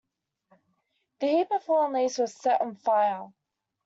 The heap of fallen leaves was set on fire.